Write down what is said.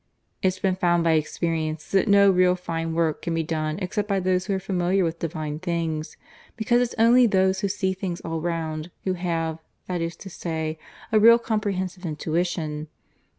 It's been found by experience that no really fine work can be done except by those who are familiar with divine things; because it's only those who see things all round, who have, that is to say, a really comprehensive intuition.